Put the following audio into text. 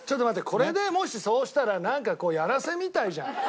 これでもしそうしたらなんかこうやらせみたいじゃん